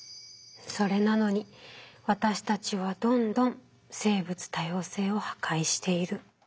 それなのに私たちはどんどん生物多様性を破壊している。